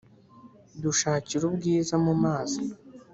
Dushakira ubwiza mu mazi